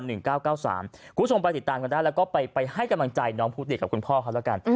คุณผู้ชมไปติดตามกันได้แล้วก็ไปให้กำลังใจน้องภูติกับคุณพ่อเขาแล้วกัน